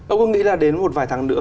ông có nghĩ là đến một vài tháng nữa